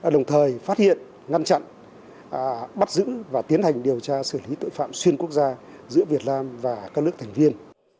đồng thời phát hiện ngăn chặn bắt giữ và tiến hành điều tra xử lý tội phạm xuyên quốc gia giữa việt nam và các nước thành viên